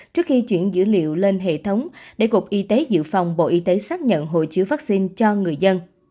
trước khi chuyển dữ liệu lên hệ thống để cục y tế dự phòng bộ y tế xác nhận hồ chứa vaccine cho người dân